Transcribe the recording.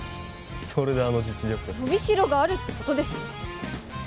それであの実力伸びしろがあるってことですよ